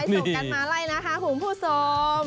ส่งกันมาไล่นะคะคุณผู้ชม